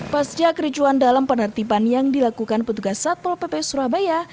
pasca kericuan dalam penertiban yang dilakukan petugas satpol pp surabaya